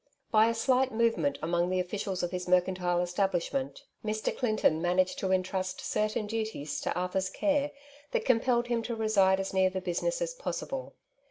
By a slight movement among the officials of his mercantile establishment, Mr. Clinton managed to 28 " Two Sides to every Question^ entrust certain duties to Arthur's care that com pelled him to reside as near the business as possible.